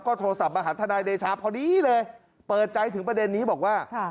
โทรศัพท์มาหาทนายเดชาพอดีเลยเปิดใจถึงประเด็นนี้บอกว่า